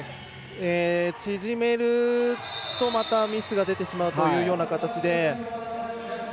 縮めると、またミスが出てしまうというような形で。